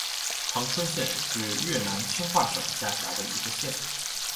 常春县是越南清化省下辖的一个县。